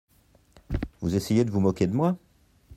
Vous essayez de vous moquer de moi ?